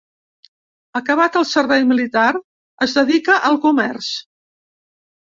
Acabat el servei militar, es dedica al comerç.